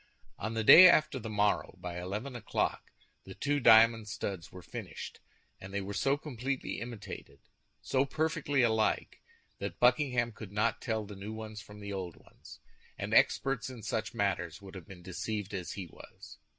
On the day after the morrow, by eleven o'clock, the two diamond studs were finished, and they were so completely imitated, so perfectly alike, that Buckingham could not tell the new ones from the old ones, and experts in such matters would have been deceived as he was.